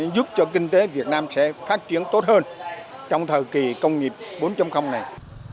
giúp cho kinh tế việt nam sẽ phát triển tốt hơn trong thời kỳ công nghiệp bốn này